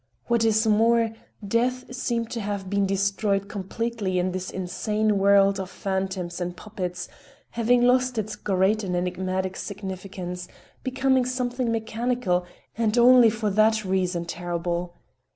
What is more, death seemed to have been destroyed completely in this insane world of phantoms and puppets, having lost its great and enigmatic significance, becoming something mechanical and only for that reason terrible.